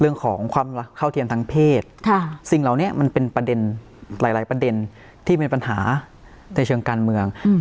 เรื่องของความเข้าเทียมทางเพศสิ่งเหล่านี้มันเป็นประเด็นหลายประเด็นที่เป็นปัญหาในเชิงการเมือง